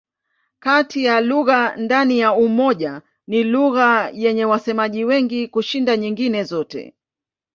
Kati ya lugha ndani ya Umoja ni lugha yenye wasemaji wengi kushinda nyingine zote.